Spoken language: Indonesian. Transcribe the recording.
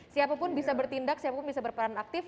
siapapun bisa bertindak siapapun bisa berperan aktif